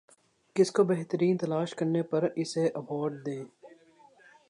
کسی کو بہترین تلاش کرنے پر اسے ایوارڈ دیں